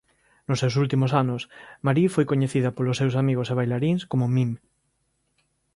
Nos seus últimos anos Marie foi coñecida polos seus amigos e bailaríns como Mim.